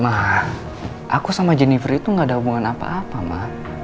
mah aku sama jennifer itu gak ada hubungan apa apa ma